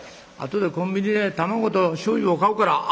後でコンビニで卵としょうゆを買うから」。